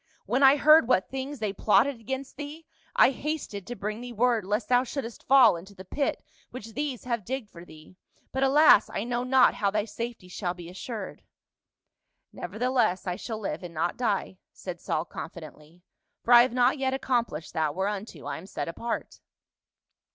When I heard what things they plotted against thee, I hasted to bring thee word lest thou shouldst fall into the pit which these have digged for thee. But alas, I know not how thy safety shall be assured." " Nevertheless, I shall live and not die," said Saul confidently ;" for I have not yet accomplished that whereunto I am set apart."